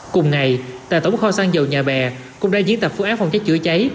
cùng ngày tại tổng kho săn dầu nhà bè cũng đang diễn tập phương án phòng cháy chữa cháy